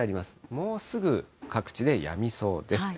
もうすぐ各地でやみそうです。